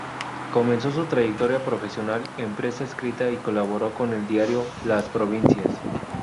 Comenzó su trayectoria profesional en prensa escrita, y colaboró con el diario "Las Provincias".